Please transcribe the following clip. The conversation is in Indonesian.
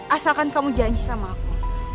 asalkan kamu janji sama aku